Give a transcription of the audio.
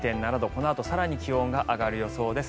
このあと更に気温が上がる予想です。